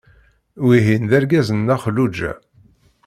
Wihin d argaz n Nna Xelluǧa.